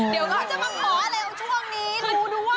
เดี๋ยวเขาจะมาขออะไรช่วงนี้ดูด้วย